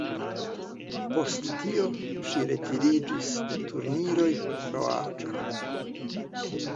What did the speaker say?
Post tio ŝi retiriĝis de turniroj pro aĝo.